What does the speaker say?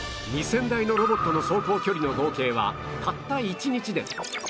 ２０００台のロボットの走行距離の合計はたった１日で